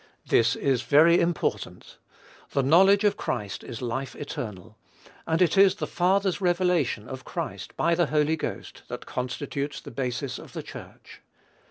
This is very important. The knowledge of Christ is life eternal; and it is the Father's revelation of Christ by the Holy Ghost that constitutes the basis of the Church.